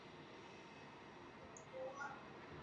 জানতে চাও কিভাবে?